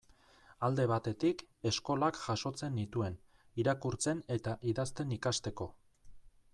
Alde batetik, eskolak jasotzen nituen, irakurtzen eta idazten ikasteko.